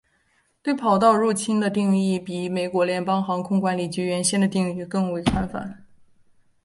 对跑道入侵的定义比美国联邦航空管理局原先的定义更为宽泛。